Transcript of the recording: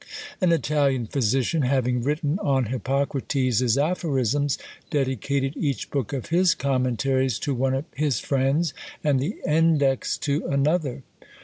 An Italian physician, having written on Hippocrates's Aphorisms, dedicated each book of his Commentaries to one of his friends, and the index to another!